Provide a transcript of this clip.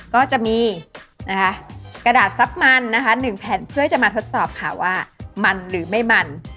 ก็จะมีกระดาษทรัพย์มันนะคะ๑แผ่นเพื่อจะมาทดสอบค่ะว่ามันหรือไม่มัน